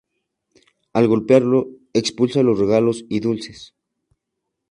Al golpearlo expulsa los regalos y dulces.